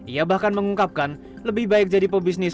ia bahkan mengungkapkan lebih baik jadi pebisnis